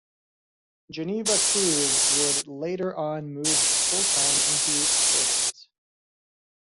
Geneva Cruz would later on move full-time into showbiz.